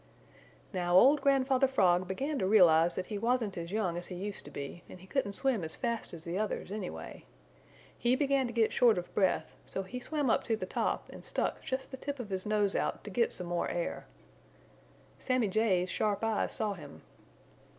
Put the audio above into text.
Now old Grandfather Frog began to realize that he wasn't as young as he used to be, and he couldn't swim as fast as the others anyway. He began to get short of breath, so he swam up to the top and stuck just the tip of his nose out to get some more air. Sammy Jay's sharp eyes saw him.